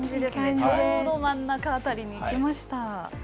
ちょうど真ん中辺りにいきました。